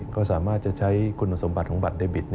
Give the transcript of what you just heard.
ก็สามารถจะใช้คุณสมบัติของบัตรเดบิต